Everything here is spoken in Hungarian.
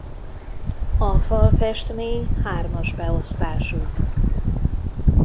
A falfestmény hármas beosztású.